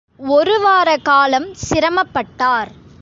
ஒரு வார காலம் சிரமப் பட்டார்.